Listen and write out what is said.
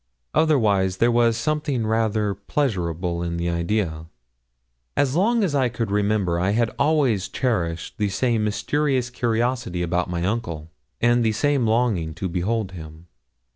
Otherwise, there was something rather pleasurable in the idea. As long as I could remember, I had always cherished the same mysterious curiosity about my uncle, and the same longing to behold him.